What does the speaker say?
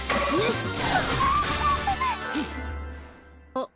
あっ！